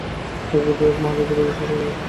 এক ব্যক্তি একমহাযজ্ঞের অনুষ্ঠান করিবার সঙ্কল্প করেন।